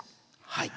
はい。